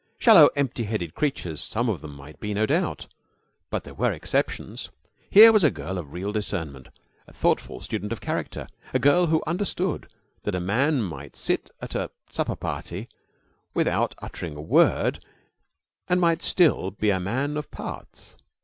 Shallow, empty headed creatures some of them might be, no doubt, but there were exceptions. Here was a girl of real discernment a thoughtful student of character a girl who understood that a man might sit at a supper party without uttering a word and might still be a man of parts.